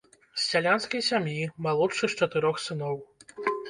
З сялянскай сям'і, малодшы з чатырох сыноў.